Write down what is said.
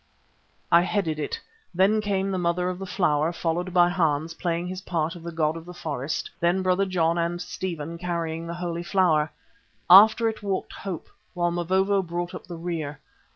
I headed it, then came the Mother of the Flower, followed by Hans, playing his part of the god of the forest; then Brother John and Stephen carrying the Holy Flower. After it walked Hope, while Mavovo brought up the rear.